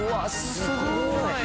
すごい！